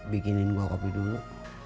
bikinin gua kopi dulu